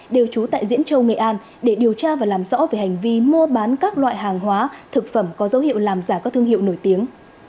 đều trú tại diễn châu nghệ an để điều tra và làm rõ về hành vi mua bán các loại hàng hóa thực phẩm có dấu hiệu làm giả các thương hiệu nổi tiếng